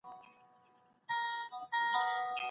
کوچیان له سختو شرایطو سره عادت لري.